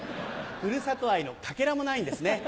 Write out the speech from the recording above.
ふるさと愛のかけらもないんですね。